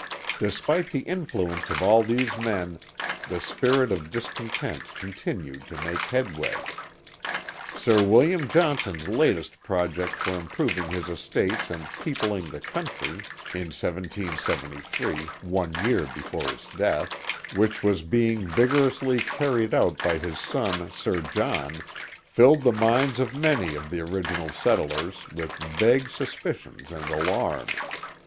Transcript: Despite the influence of all these men the spirit of discon tent continued to make headway. Sir William Johnson's latest project for improving his estates and peopling the country {in T773, one year before his death), which was being vigorously carried out by his son Sir John, filled the minds of many of the original settlers with vague suspicions and alarm.